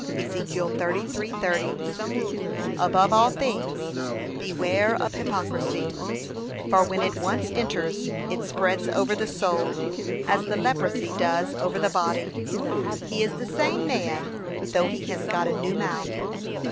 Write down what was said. (Eze. 33:30) Above all things, beware of hypocrisy, for when it once enters, it spreads over the soul, as the leprosy does over the body. p. 521. 'He is the same man, though he has got a new mouth.